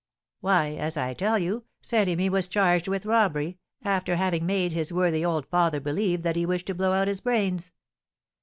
"Why, as I tell you, Saint Remy was charged with robbery, after having made his worthy old father believe that he wished to blow out his brains.